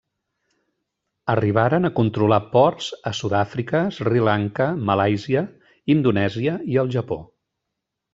Arribaren a controlar ports a Sud-àfrica, Sri Lanka, Malàisia, Indonèsia i el Japó.